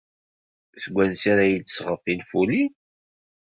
Seg wansi ara d-tesɣed tinfulin?